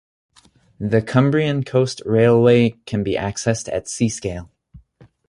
The Cumbrian Coast railway can be accessed at Seascale.